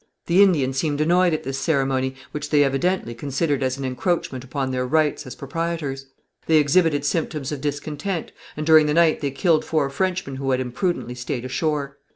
The Indians seemed annoyed at this ceremony, which they evidently considered as an encroachment upon their rights as proprietors. They exhibited symptoms of discontent, and during the night they killed four Frenchmen who had imprudently stayed ashore.